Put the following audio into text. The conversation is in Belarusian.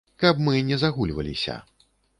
Каб мы не загульваліся.